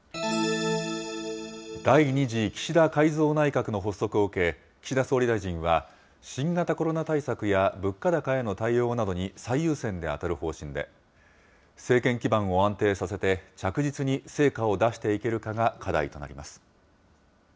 第２次岸田改造内閣の発足を受け、岸田総理大臣は新型コロナ対策や、物価高への対応などに最優先で当たる方針で、政権基盤を安定させて、着実に成果を出していけるかが課題となります。